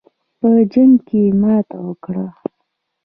په جنګ کې ماته وکړه.